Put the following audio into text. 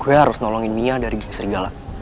gue harus nolongin mia dari serigala